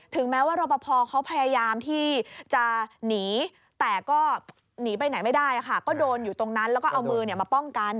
ถึงแม้ว่ารบพ